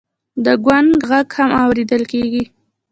د ګونګ غږ هم اورېدل کېږي.